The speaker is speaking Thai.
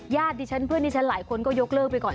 ดิฉันเพื่อนที่ฉันหลายคนก็ยกเลิกไปก่อน